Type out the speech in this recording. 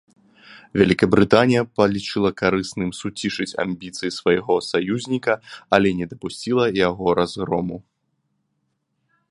Вялікабрытанія палічыла карысным суцішыць амбіцыі свайго саюзніка, але не дапусціла яго разгрому.